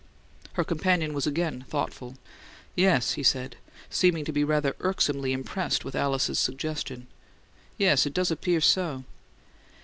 Her companion was again thoughtful. "Yes," he said, seeming to be rather irksomely impressed with Alice's suggestion. "Yes; it does appear so."